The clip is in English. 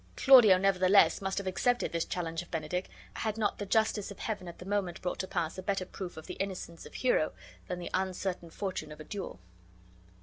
Claudio, nevertheless, must have accepted this challenge of Benedick had not the justice of Heaven at the moment brought to pass a better proof of the innocence of Hero than the uncertain fortune of a duel.